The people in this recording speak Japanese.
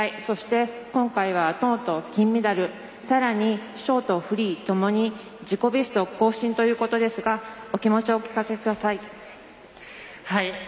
そして今回はとうとう金メダルさらにショート、フリーともに自己ベストを更新ということですがお気持ちをお聞かせください。